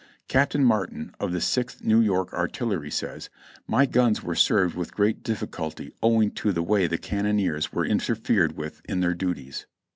Captain Mar tin, of the Sixth New York Artillery, says: "My guns were served with great difficulty owing to the way the cannoneers were interfered with in their duties.